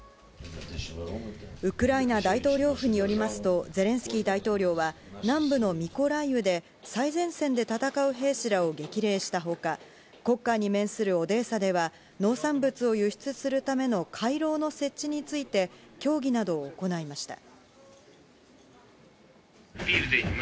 ウクライナ大統領府によりますと、ゼレンスキー大統領は、南部のミコライウで最前線で戦う兵士らを激励したほか、黒海に面するオデーサでは、農産物を輸出するための回廊の設置について、協議などを行いました。